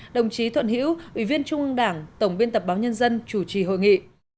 đồng chí thuận hữu ủy viên trung ương đảng tổng biên tập báo nhân dân chủ trì hội nghị